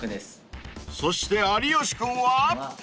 ［そして有吉君は？］